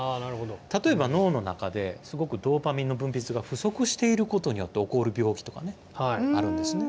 例えば脳の中で、すごくドーパミンの分泌が不足していることによって起こる病気とかね、あるんですね。